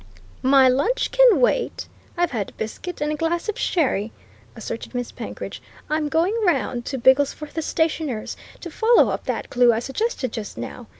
"My lunch can wait I've had a biscuit and a glass of sherry," asserted Miss Penkridge. "I'm going round to Bigglesforth the stationer's, to follow up that clue I suggested just now.